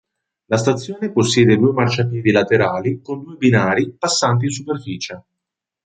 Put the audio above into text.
La stazione possiede due marciapiedi laterali con due binari passanti in superficie.